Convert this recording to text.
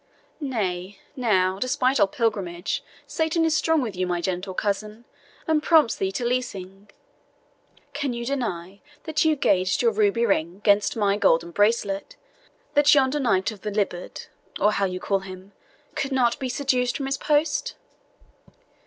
"Nay, now, despite our pilgrimage, Satan is strong with you, my gentle cousin, and prompts thee to leasing. Can you deny that you gaged your ruby ring against my golden bracelet that yonder Knight of the Libbard, or how call you him, could not be seduced from his post?"